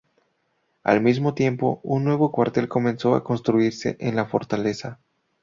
Al mismo tiempo, un nuevo cuartel comenzó a construirse en la fortaleza.